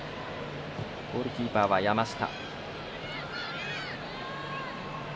ゴールキーパーは山下。